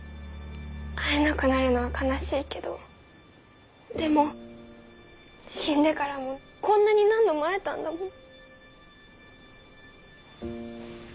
会えなくなるのは悲しいけどでも死んでからもこんなに何度も会えたんだもん！